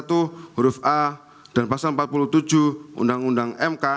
pasal sepuluh c satu huruf a dan pasal empat puluh tujuh undang undang mk